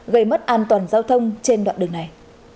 gây mất an toàn giao thông trên đoạn đường này